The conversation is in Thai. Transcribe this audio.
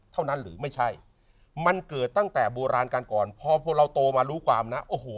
หรือไม่ใช่มันเกิดตั้งแต่โบราณกันก่อนพอเราโตมารู้ความนะโอ้โห